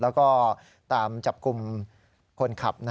แล้วก็ตามจับกลุ่มคนขับ